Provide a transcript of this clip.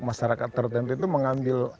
masyarakat tertentu itu mengambil